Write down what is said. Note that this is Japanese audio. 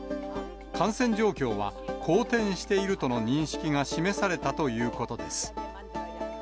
感染状況は、好転しているとの認識が示されたということです。